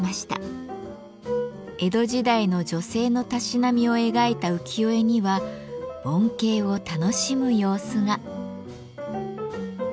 江戸時代の女性のたしなみを描いた浮世絵には盆景を楽しむ様子が。